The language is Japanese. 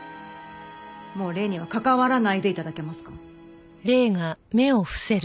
もう礼には関わらないで頂けますか？